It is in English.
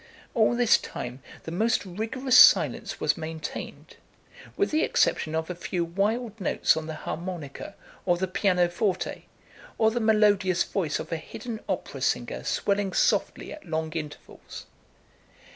All this time the most rigorous silence was maintained, with the exception of a few wild notes on the harmonica or the piano forte, or the melodious voice of a hidden opera singer swelling softly at long intervals.